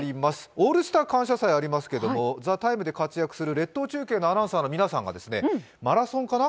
「オールスター感謝祭」ありますけれども、「ＴＨＥＴＩＭＥ，」で活躍する列島中継のアナウンサーの皆さんがマラソンかな？